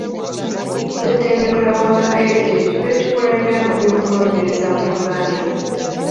Ssetendekero wa Makerere kye kifo ekikulembera mu by'okunoonyereza mu Uganda.